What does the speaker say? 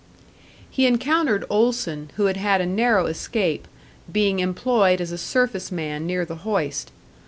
He encountered Olson, who had had a narrow escape, being employed as a surface man near the hoist.